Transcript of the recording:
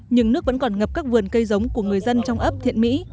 nhưng nước vẫn còn ngập các vườn cây giống của người dân trong ấp thiện mỹ